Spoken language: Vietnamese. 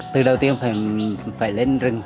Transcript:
từ đầu tiên phải lên rừng